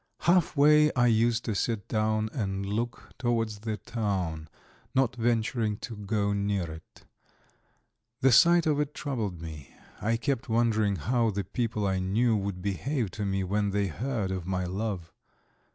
Half way I used to sit down and look towards the town, not venturing to go near it. The sight of it troubled me. I kept wondering how the people I knew would behave to me when they heard of my love.